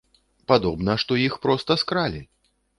Падобна, што іх проста скралі!